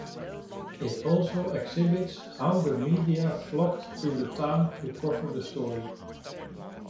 It also exhibits how the media flocked to the town to cover the story.